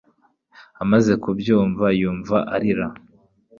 Amaze kubyumva, yumva arira